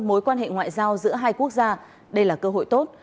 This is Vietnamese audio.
mối quan hệ ngoại giao giữa hai quốc gia đây là cơ hội tốt